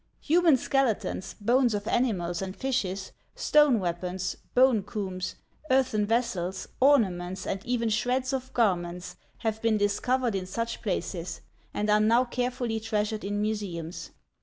Human skeletons, bones of animals and fishes, stone weapons, bone combs, earthen vessels, ornaments, and even shreds of garments have been discovered in such places, and are now carefully treasured in museums.